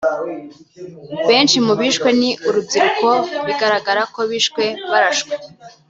Benshi mu bishwe ngo ni urubyiruko bigaragara ko bishwe barashwe